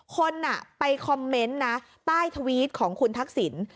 คนไปคอมเมนต์นะใต้ทวีตของคุณทักษิณ